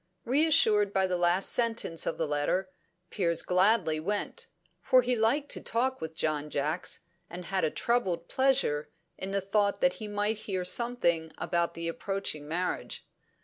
Reassured by the last sentence of the letter, Piers gladly went; for he liked to talk with John Jacks, and had a troubled pleasure in the thought that he might hear something about the approaching marriage.